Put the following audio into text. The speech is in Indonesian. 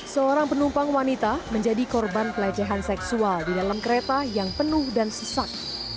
seorang penumpang wanita menjadi korban pelecehan seksual di dalam kereta yang penuh dan sesak